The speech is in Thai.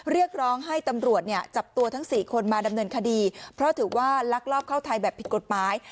เรียกร้องให้ตำรวจเนี่ยจับตัวทั้ง๔คนมาดำเนินคดีเพราะถือว่าลักลอบเข้าไทยแบบผิดกฎหมาย